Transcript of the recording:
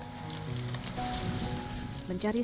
mencari sampah plastik ini adalah rupiah